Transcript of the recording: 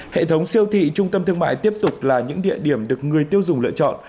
hệ thống siêu thị trung tâm thương mại tiếp tục là những địa điểm được người tiêu dùng lựa chọn